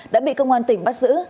đã bị công an tỉnh bắt giữ